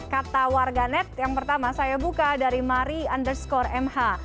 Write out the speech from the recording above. kata warganet yang pertama saya buka dari mari underscore mh